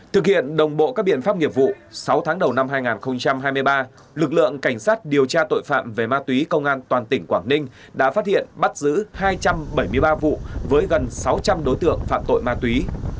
thực hiện đồng bộ các biện pháp nghiệp vụ sáu tháng đầu năm hai nghìn hai mươi ba lực lượng cảnh sát điều tra tội phạm về ma túy công an toàn tỉnh quảng ninh đã phát hiện bắt giữ hai trăm bảy mươi ba vụ với gần sáu trăm linh đối tượng phạm tội ma túy